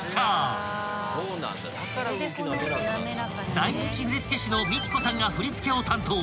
［大人気振付師のＭＩＫＩＫＯさんが振り付けを担当］